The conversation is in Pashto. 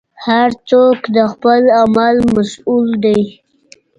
هر څوک د خپل عمل مسوول دی.